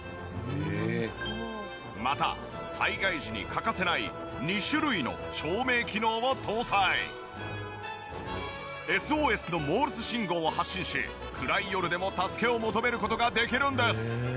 また災害時に欠かせない２種類の照明機能を搭載！を発信し暗い夜でも助けを求める事ができるんです。